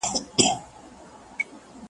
دا ریښتونی تر قیامته شک یې نسته په ایمان کي ,